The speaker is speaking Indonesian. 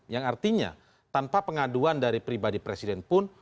yang artinya tanpa pengaduan dari pribadi presiden pun